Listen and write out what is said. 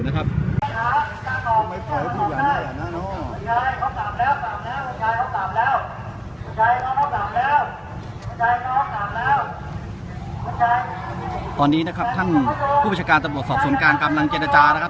ก็ถาบแล้วตอนนี้เพื่อนบริการก็จะรับสอบส่วนการกำลังเจรจานะครับ